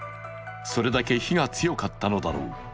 それだけ火が強かったのだろう。